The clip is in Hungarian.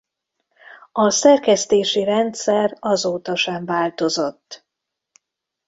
A szerkesztési rendszer azóta sem változott.